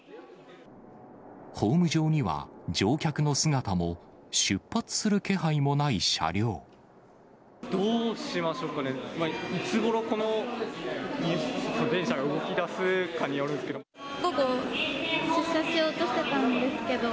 ホーム上には乗客の姿も、出発すどうしましょうかね、いつごろ、この電車が動きだすかによるんですけど。